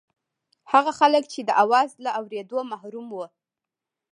هغه خلک چې د اواز له اورېدو محروم وو.